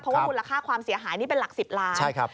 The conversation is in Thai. เพราะว่ามูลค่าความเสียหายนี่เป็นหลัก๑๐ล้าน